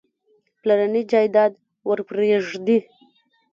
پلرنی جایداد ورپرېږدي.